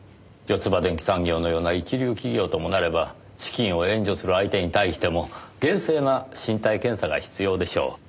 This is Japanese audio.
ヨツバ電機産業のような一流企業ともなれば資金を援助する相手に対しても厳正な身体検査が必要でしょう。